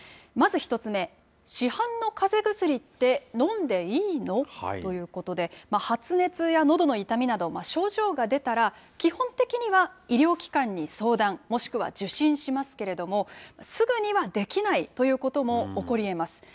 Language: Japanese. まず１つ目、市販のかぜ薬って飲んでいいの？ということで、発熱やのどの痛みなど、症状が出たら、基本的には医療機関に相談、もしくは受診しますけれども、すぐにはできないということも起こりえます。